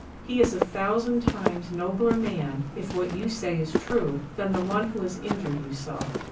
He is a thousand times nobler man, if what you say is true, than the one who has injured you so.